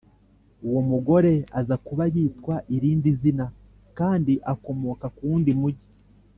uwo mugore aza kuba yitwa irindi zina kandi akomoka mu wundi mugi